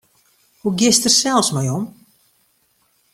Hoe giest dêr sels mei om?